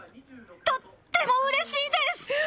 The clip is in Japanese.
とってもうれしいです！